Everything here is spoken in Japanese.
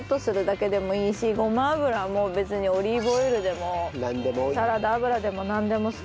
ごま油も別にオリーブオイルでもサラダ油でもなんでも好きなやつでいい。